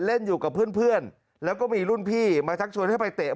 เล่นอยู่กับเพื่อนแล้วก็มีรุ่นพี่มาชักชวนให้ไปเตะ